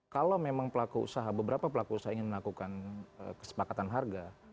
kalau memang pelaku usaha beberapa pelaku usaha ingin melakukan kesepakatan harga